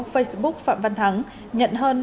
facebook phạm văn thắng nhận hơn